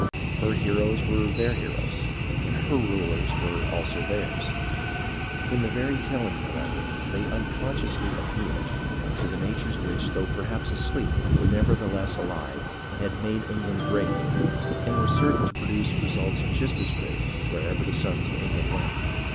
Her heroes were their heroes, and her rulers were also theirs. In the very tell ing, however, they unconsciously appealed to the natures which, though perhaps asleep, were nevertheless alive, and had made England great, and were certain to produce results just as great wherever the sons of England went.